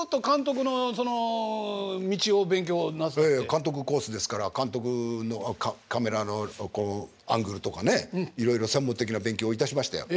監督コースですから監督のカメラのこうアングルとかねいろいろ専門的な勉強をいたしましたよ。